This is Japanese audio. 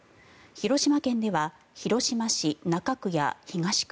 広島県では広島市中区や東区